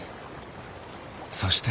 そして。